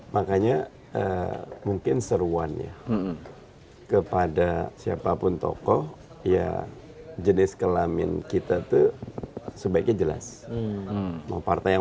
makanya mungkin seruannya kepada siapapun tokoh ya jenis kelamin kita tuh sebaiknya jelas